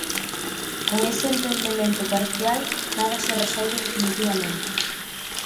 Con ese entendemento parcial, nada se resolve definitivamente.